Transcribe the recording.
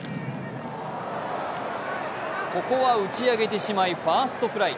ここは打ち上げてしまいファーストフライ。